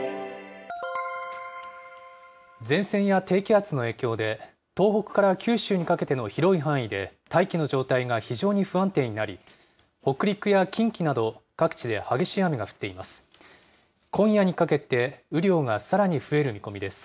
前線や低気圧の影響で、東北から九州にかけての広い範囲で、大気の状態が非常に不安定になり、北陸や近畿など、各地で激しい雨が降っています。